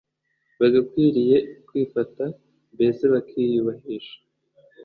bagakwiriye kwifata mbese bakiyubahisha